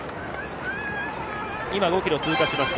今、５キロを通過しました。